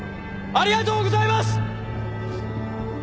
ありがとうございます！